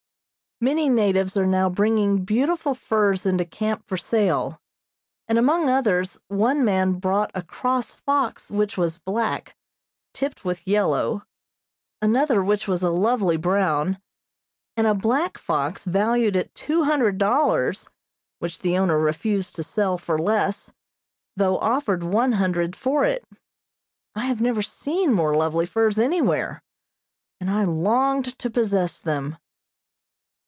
Many natives are now bringing beautiful furs into camp for sale, and among others one man brought a cross fox which was black, tipped with yellow, another which was a lovely brown, and a black fox valued at two hundred dollars which the owner refused to sell for less, though offered one hundred for it. I have never seen more lovely furs anywhere, and I longed to possess them.